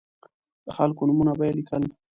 د خلکو نومونه به یې لیکل.